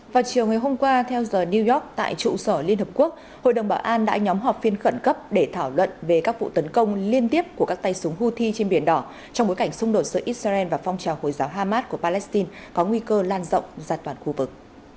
vào chiều ngày hôm qua theo giờ new york tại trụ sở liên hợp quốc hội đồng bảo an đã nhóm họp phiên khẩn cấp để thảo luận về các vụ tấn công liên tiếp của các tay súng houthi trên biển đỏ trong bối cảnh xung đột giữa israel và phong trào hồi giáo hamas của palestine có nguy cơ lan rộng ra toàn khu vực